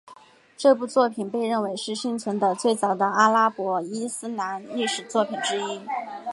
这部作品被认为是幸存的最早的阿拉伯伊斯兰历史作品之一。